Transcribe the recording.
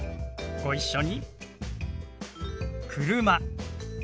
ご一緒に。